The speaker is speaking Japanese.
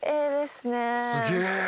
すげえ。